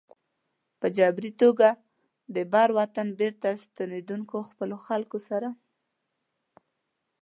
په جبري توګه د بر وطن بېرته ستنېدونکو خپلو خلکو سره.